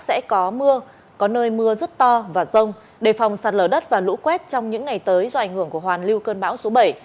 sẽ có mưa có nơi mưa rất to và rông đề phòng sạt lở đất và lũ quét trong những ngày tới do ảnh hưởng của hoàn lưu cơn bão số bảy